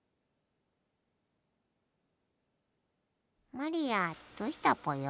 マリアどうしたぽよ？